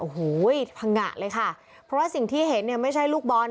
โอ้โหพังงะเลยค่ะเพราะว่าสิ่งที่เห็นเนี่ยไม่ใช่ลูกบอล